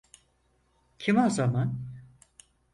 Kim o zaman?